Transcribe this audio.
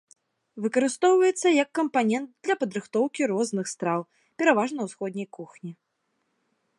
Выкарыстоўваецца як кампанент для падрыхтоўкі розных страў пераважна ўсходняй кухні.